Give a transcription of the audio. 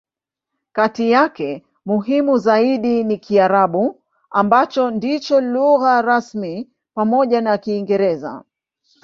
Kati yake, muhimu zaidi ni Kiarabu, ambacho ndicho lugha rasmi pamoja na Kiingereza.